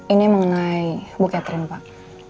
ini mengenai bu catherine pak